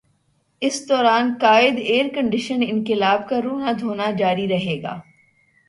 اس دوران قائد ائیرکنڈیشنڈ انقلاب کا رونا دھونا جاری رہے گا۔